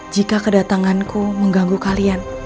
jika kedatanganku mengganggu kalian